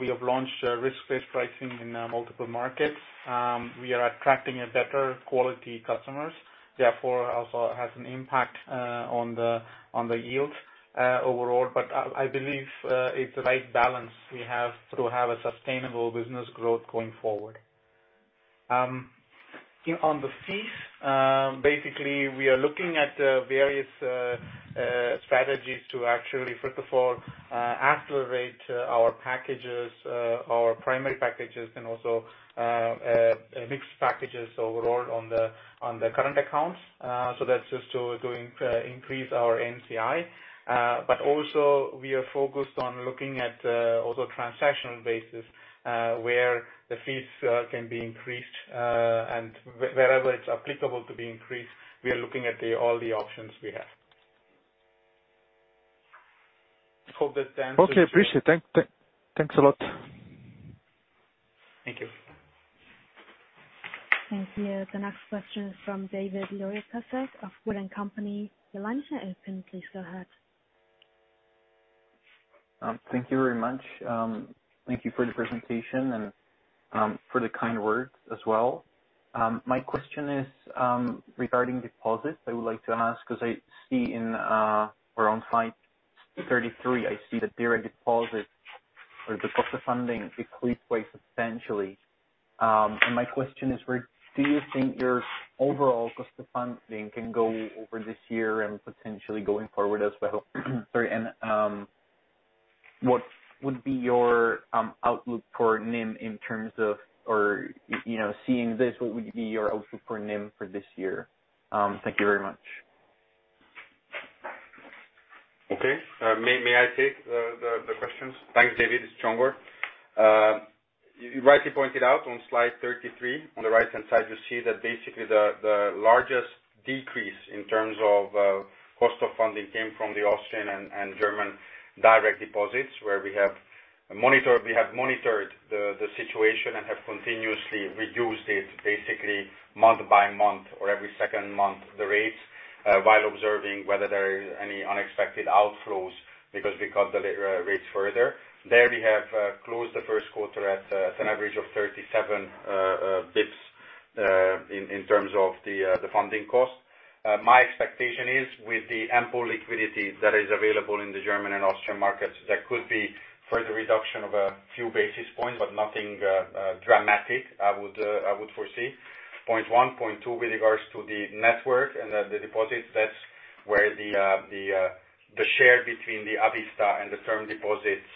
we have launched risk-based pricing in multiple markets. We are attracting a better quality customers, therefore, also has an impact on the yield overall. I believe it's the right balance we have to have a sustainable business growth going forward. On the fees, basically, we are looking at various strategies to actually, first of all, accelerate our packages, our primary packages and also mixed packages overall on the current accounts. That's just to increase our NCI. Also we are focused on looking at also transactional basis, where the fees can be increased and wherever it's applicable to be increased, we are looking at all the options we have. Hope that answers. Okay, appreciate. Thanks a lot. Thank you. Thank you. The next question is from David Lojkasek of WOOD & Company. Your line is now open. Please go ahead. Thank you very much. Thank you for the presentation and for the kind words as well. My question is regarding deposits. I would like to ask because I see around slide 33, I see the direct deposit or the cost of funding decreased quite substantially. My question is, where do you think your overall cost of funding can go over this year and potentially going forward as well? Sorry. What would be your outlook for NIM in terms of, or seeing this, what would be your outlook for NIM for this year? Thank you very much. Okay. May I take the questions? Thanks, David. It's Csongor. You rightly pointed out on slide 33, on the right-hand side, you see that basically the largest decrease in terms of cost of funding came from the Austrian and German direct deposits, where we have monitored the situation and have continuously reduced it basically month by month or every second month, the rates, while observing whether there is any unexpected outflows, because we cut the rates further. There we have closed the first quarter at an average of 37 basis points in terms of the funding cost. My expectation is, with the ample liquidity that is available in the German and Austrian markets, there could be further reduction of a few basis points, but nothing dramatic I would foresee. Point one. Point two, with regards to the network and the deposits, that's where the share between the a vista and the term deposits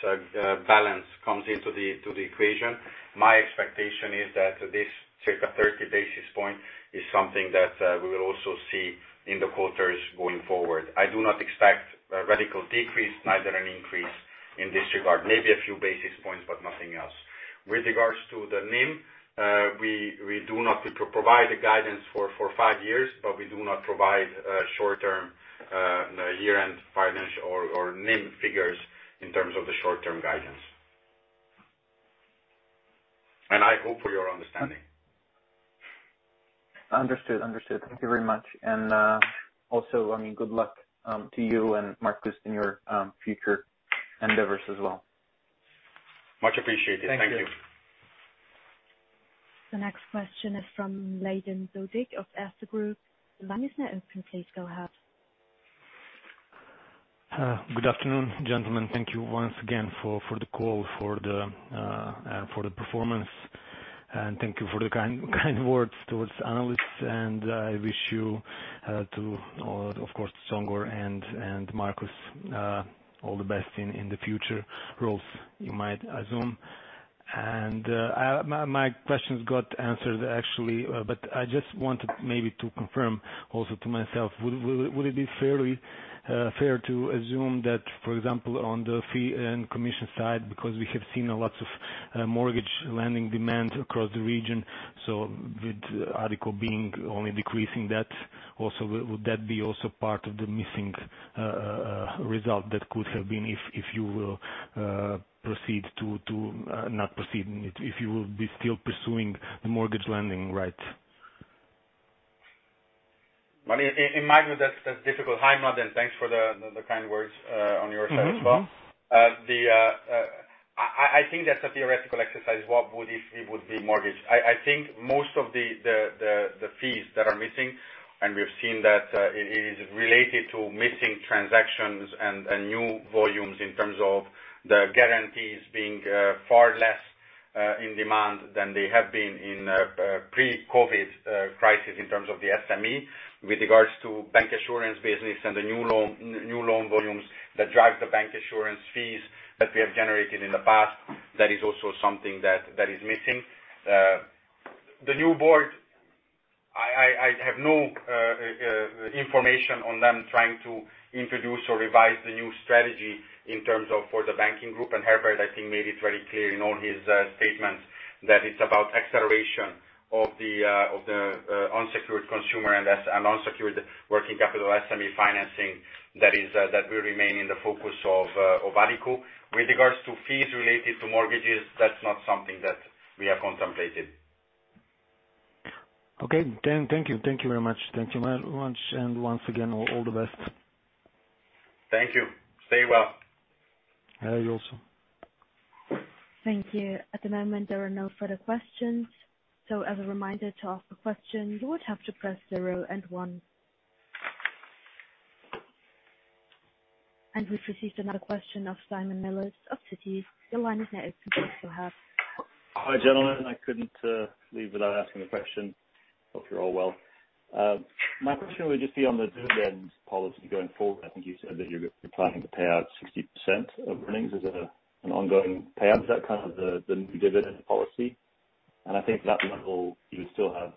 balance comes into the equation. My expectation is that this circa 30 basis points is something that we will also see in the quarters going forward. I do not expect a radical decrease, neither an increase in this regard. Maybe a few basis points, but nothing else. With regards to the NIM, we do not provide the guidance for five years, but we do not provide short-term, year-end financial or NIM figures in terms of the short-term guidance. I hope for your understanding. Understood. Thank you very much. Also, good luck to you and Markus in your future endeavors as well. Much appreciated. Thank you. Thank you. The next question is from Mladen Dodig of Erste Group. Your line is now open. Please go ahead. Good afternoon, gentlemen. Thank you once again for the call, for the performance. Thank you for the kind words towards analysts. I wish you, of course, Csongor and Markus, all the best in the future roles you might assume. My questions got answered, actually. I just wanted maybe to confirm also to myself. Would it be fair to assume that, for example, on the fee and commission side, because we have seen a lot of mortgage lending demand across the region, with Addiko being only decreasing that, would that be also part of the missing result that could have been if you will be still pursuing the mortgage lending rate? In my view, that's difficult. Hi, Mladen, thanks for the kind words on your side as well. I think that's a theoretical exercise. What would, if it would be mortgage? I think most of the fees that are missing, we've seen that it is related to missing transactions and new volumes in terms of the guarantees being far less in demand than they have been in pre-COVID crisis in terms of the SME. With regards to bancassurance business and the new loan volumes that drive the bancassurance fees that we have generated in the past, that is also something that is missing. The new board, I have no information on them trying to introduce or revise the new strategy in terms of for the banking group. Herbert, I think, made it very clear in all his statements that it's about acceleration of the unsecured consumer and unsecured working capital SME financing. That will remain in the focus of Addiko. With regards to fees related to mortgages, that's not something that we have contemplated. Okay. Thank you very much. Once again, all the best. Thank you. Stay well. You also. Thank you. At the moment, there are no further questions. As a reminder, to ask a question, you would have to press zero and one. We've received another question of Simon Nellis of Citi. Your line is now open. Please go ahead. Hi, gentlemen. I couldn't leave without asking a question. Hope you're all well. My question would just be on the dividend policy going forward. I think you said that you're planning to pay out 60% of earnings as an ongoing payout. Is that the new dividend policy? I think at that level, you would still have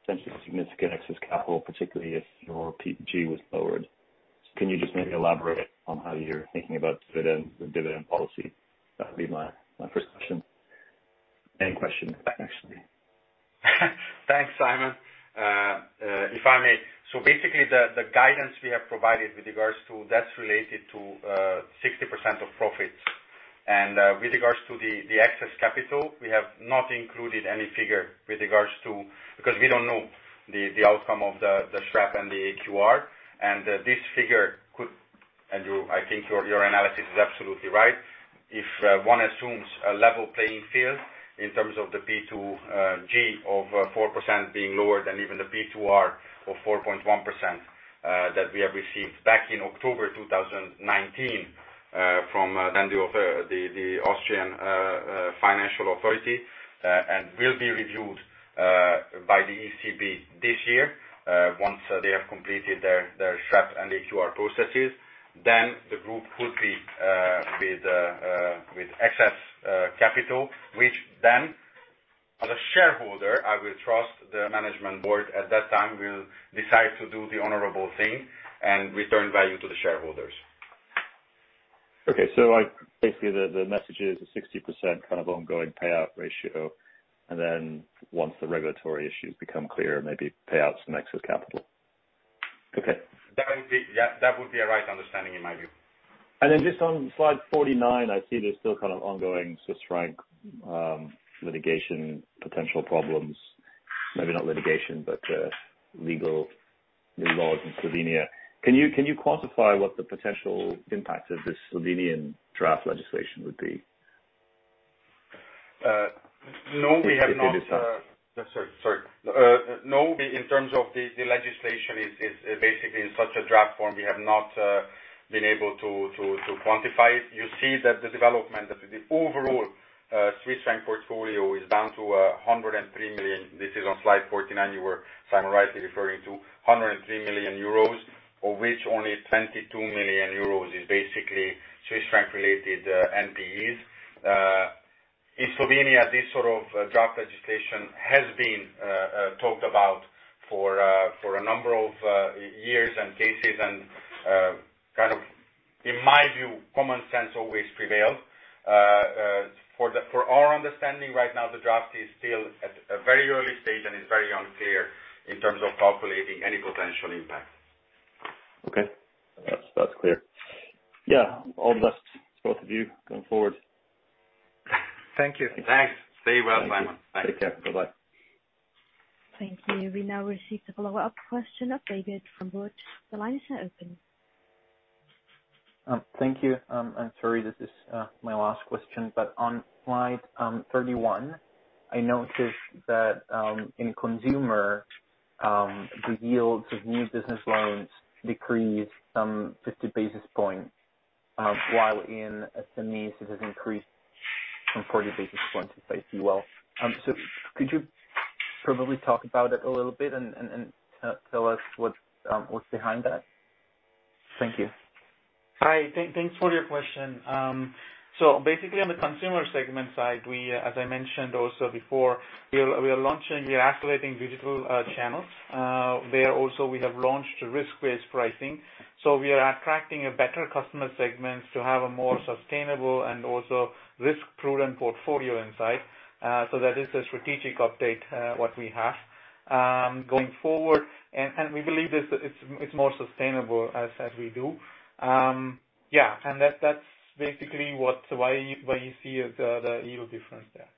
potentially significant excess capital, particularly if your P2G was lowered. Can you just maybe elaborate on how you're thinking about dividend policy? That would be my first question. Main question, actually. Thanks, Simon. Basically, the guidance we have provided with regards to that's related to 60% of profits. With regards to the excess capital, we have not included any figure because we don't know the outcome of the SREP and the AQR. This figure could, Andrew, I think your analysis is absolutely right. If one assumes a level playing field in terms of the P2G of 4% being lower than even the P2R of 4.1% that we have received back in October 2019 from then the Austrian Financial Market Authority and will be reviewed by the ECB this year once they have completed their SREP and AQR processes. The group could be with excess capital, which then, as a shareholder, I will trust the management board at that time will decide to do the honorable thing and return value to the shareholders. Okay. Basically, the message is a 60% kind of ongoing payout ratio, and then once the regulatory issues become clear, maybe pay out some excess capital. Okay. That would be a right understanding in my view. Then just on slide 49, I see there's still kind of ongoing Swiss franc litigation potential problems. Maybe not litigation, but legal new laws in Slovenia. Can you quantify what the potential impact of this Slovenian draft legislation would be? No, we have not. If you decide. Sorry. In terms of the legislation is basically in such a draft form. We have not been able to quantify it. You see that the development of the overall Swiss franc portfolio is down to 103 million. This is on slide 49, you were, Simon, rightly referring to, 103 million euros, of which only 22 million euros is basically Swiss franc related NPEs. In Slovenia, this sort of draft legislation has been talked about for a number of years and cases and kind of, in my view, common sense always prevailed. For our understanding right now, the draft is still at a very early stage and is very unclear in terms of calculating any potential impact. Okay. That's clear. Yeah. All the best to both of you going forward. Thank you. Thanks. Stay well, Simon. Thanks. Take care. Bye-bye. Thank you. We now receive the follow-up question of David from WOOD. The line is now open. Thank you. I'm sorry, this is my last question. On slide 31, I noticed that, in consumer, the yields of new business loans decreased some 50 basis points, while in SMEs, it has increased from 40 basis points, if I see well. Could you probably talk about it a little bit and tell us what's behind that? Thank you. Hi. Thanks for your question. Basically, on the consumer segment side, as I mentioned also before, we are launching, we are accelerating digital channels. There also, we have launched risk-based pricing. We are attracting a better customer segment to have a more sustainable and also risk-prudent portfolio insight. That is the strategic update, what we have. Going forward, we believe it's more sustainable as we do. That's basically why you see the yield difference there.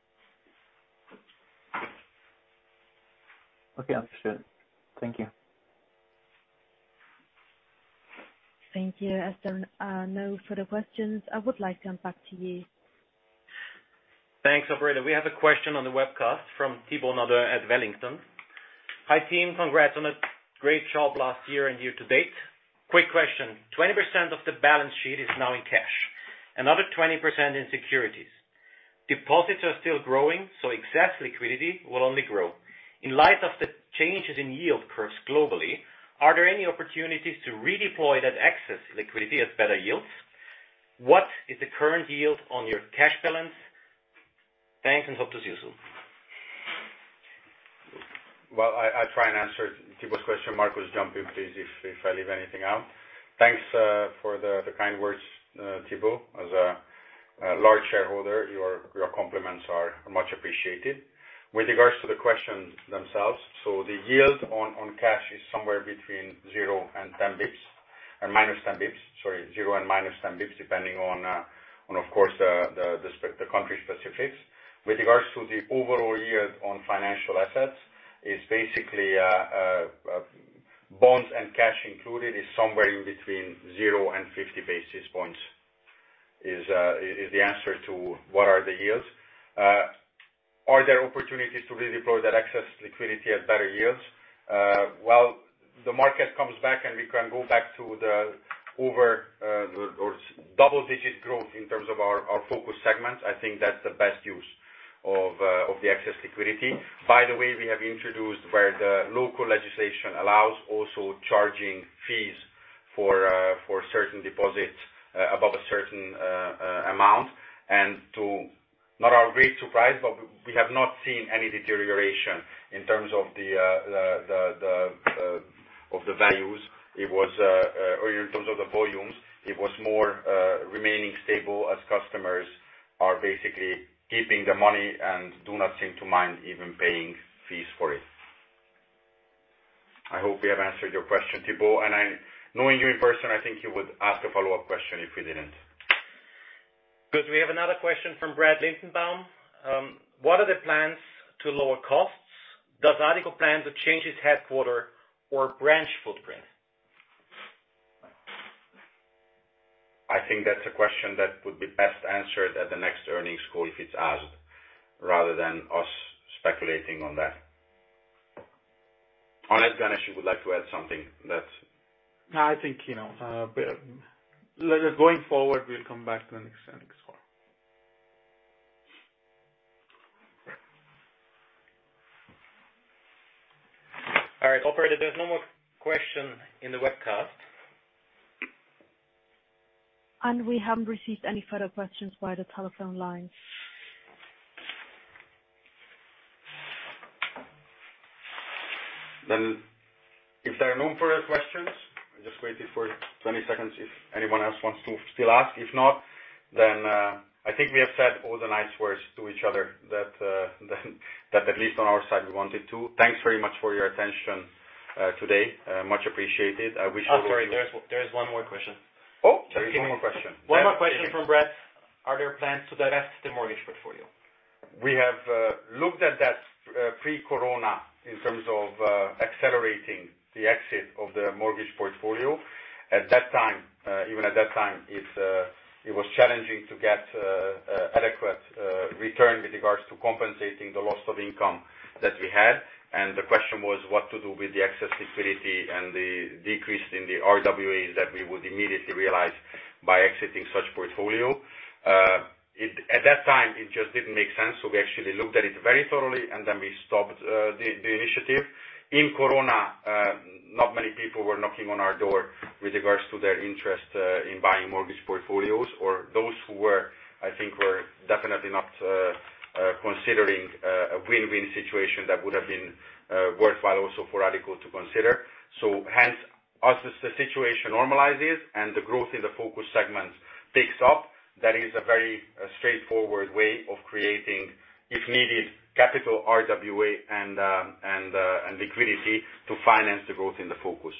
Okay, understood. Thank you. Thank you. As there are no further questions, I would like to come back to you. Thanks, operator. We have a question on the webcast from Thibault Nardin at Wellington. Hi, team. Congrats on a great job last year and year to date. Quick question. 20% of the balance sheet is now in cash, another 20% in securities. Deposits are still growing, so excess liquidity will only grow. In light of the changes in yield curves globally, are there any opportunities to redeploy that excess liquidity at better yields? What is the current yield on your cash balance? Thanks, and hope to see you soon. Well, I'll try and answer Thibault Nardin's question. Markus, jump in, please, if I leave anything out. Thanks for the kind words, Thibault. As a large shareholder, your compliments are much appreciated. With regards to the questions themselves, so the yield on cash is somewhere between zero and 10 basis points, and -10 basis points. Sorry. 0 and -10 basis points, depending on, of course, the country specifics. With regards to the overall yield on financial assets, it's basically bonds and cash included, is somewhere in between zero and 50 basis points, is the answer to what are the yields. Are there opportunities to redeploy that excess liquidity at better yields? Well, the market comes back, and we can go back to the over or double-digit growth in terms of our focus segments. I think that's the best use of the excess liquidity. We have introduced where the local legislation allows also charging fees for certain deposits above a certain amount, and to, not our great surprise, but we have not seen any deterioration in terms of the values, or in terms of the volumes, it was more remaining stable as customers are basically keeping the money and do not seem to mind even paying fees for it. I hope we have answered your question, Thibault, and knowing you in person, I think you would ask a follow-up question if we didn't. Good. We have another question from Brad Lindenbaum. What are the plans to lower costs? Does Addiko plan to change its headquarter or branch footprint? I think that's a question that would be best answered at the next earnings call if it's asked, rather than us speculating on that. Unless Ganesh, you would like to add something. No, I think, going forward, we'll come back to the next earnings call. All right. Operator, there's no more question in the webcast. We haven't received any further questions via the telephone lines. If there are no further questions, I'm just waiting for 20 seconds if anyone else wants to still ask. If not, then I think we have said all the nice words to each other, that at least on our side, we wanted to. Thanks very much for your attention today. Much appreciated. Oh, sorry. There is one more question? Oh, there is one more question? One more question from Brad. Are there plans to divest the mortgage portfolio? We have looked at that pre-corona in terms of accelerating the exit of the mortgage portfolio. Even at that time, it was challenging to get adequate return with regards to compensating the loss of income that we had, and the question was what to do with the excess liquidity and the decrease in the RWAs that we would immediately realize by exiting such portfolio. At that time, it just didn't make sense, so we actually looked at it very thoroughly, and then we stopped the initiative. In corona, not many people were knocking on our door with regards to their interest in buying mortgage portfolios, or those who were, I think were definitely not considering a win-win situation that would have been worthwhile also for Addiko to consider. Hence, as the situation normalizes and the growth in the focus segments picks up, that is a very straightforward way of creating, if needed, capital RWA and liquidity to finance the growth in the focus.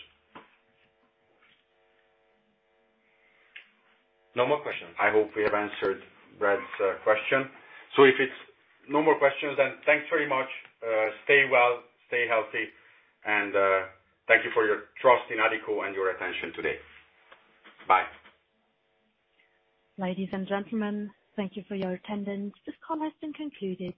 No more questions. I hope we have answered Brad's question. If it's no more questions, then thanks very much. Stay well, stay healthy, and thank you for your trust in Addiko and your attention today. Bye. Ladies and gentlemen, thank you for your attendance. This call has been concluded.